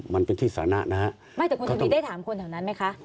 มันเป็นที่สานะนะฮะไม่แต่คุณทวีได้ถามคนแถวนั้นไหมคะ